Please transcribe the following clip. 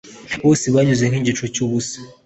bose banyuze nk'igicucu cyubusa